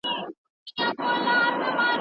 ميرويس خان نيکه خپلې پرېکړې په کوم اساس کولي؟